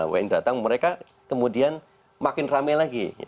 wni datang mereka kemudian makin rame lagi